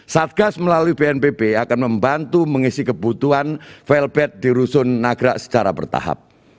satgas melalui bnpb akan membantu mengisi kebutuhan fail bed di rusun nagrak secara bertahap